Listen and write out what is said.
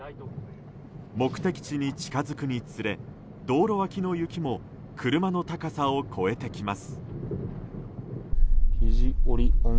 目的地に近づくにつれ道路脇の雪も車の高さを超えてきます。